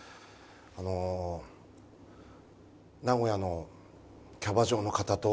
あの名古屋のキャバ嬢の方と。